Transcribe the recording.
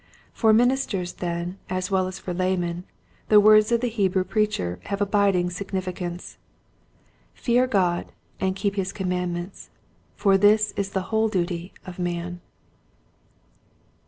For minis ters then as well as for laymen the words of the Hebrew preacher have abiding sig nificance. *' Fear God and keep his commandments^ For this is the whole duty of man."